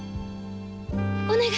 お願い！